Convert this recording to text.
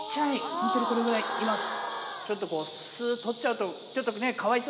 本当にこれぐらいいます。